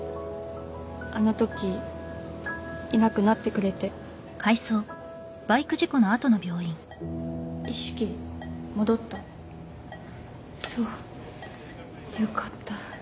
あのときいなくなってくれて意識戻ったそうよかった